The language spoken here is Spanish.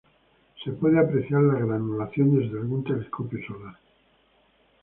Se puede apreciar la granulación desde algún telescopio solar.